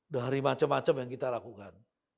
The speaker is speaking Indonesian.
dari macam macam yang kita lakukan